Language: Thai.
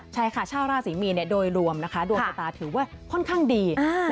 ใช่ค่ะชาวราศรีมีนโดยรวมนะคะดวงชะตาถือว่าค่อนข้างดี